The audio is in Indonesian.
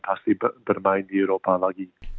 pasti bermain di eropa lagi